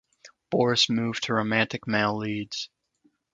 Boris moved to romantic male leads.